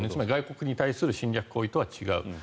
外国に対する侵略行為とは違う。